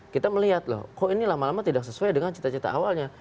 kita melihat loh kok ini lama lama tidak sesuai dengan cita cita awalnya